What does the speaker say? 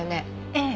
ええ。